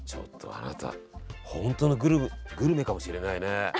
本当のグルメかもしれないね。